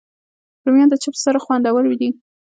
رومیان د چپس سره خوندور دي